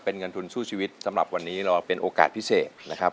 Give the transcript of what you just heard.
เป็นเงินทุนสู้ชีวิตสำหรับวันนี้เราเป็นโอกาสพิเศษนะครับ